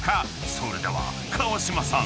［それでは川島さん